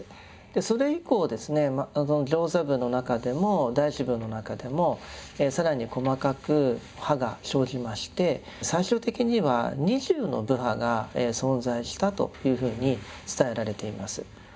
それ以降ですね上座部の中でも大衆部の中でも更に細かく派が生じまして最終的には２０の部派が存在したというふうに伝えられています。